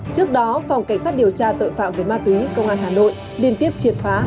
trước đó phòng cảnh sát điều tra tội phạm về ma túy công an hà nội liên tiếp triệt phá